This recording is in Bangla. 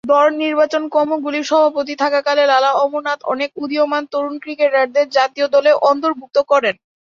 দল নির্বাচকমণ্ডলীর সভাপতি থাকাকালে লালা অমরনাথ অনেক উদীয়মান তরুণ ক্রিকেটারদের জাতীয় দলে অন্তর্ভুক্ত করেন।